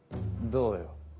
どうよ？